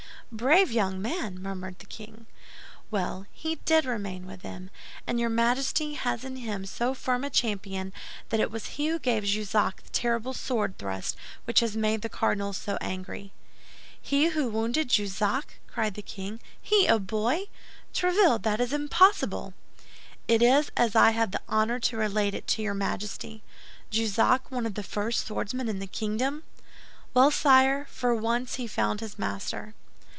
"Brave young man!" murmured the king. "Well, he did remain with them; and your Majesty has in him so firm a champion that it was he who gave Jussac the terrible sword thrust which has made the cardinal so angry." "He who wounded Jussac!" cried the king, "he, a boy! Tréville, that's impossible!" "It is as I have the honor to relate it to your Majesty." "Jussac, one of the first swordsmen in the kingdom?" "Well, sire, for once he found his master."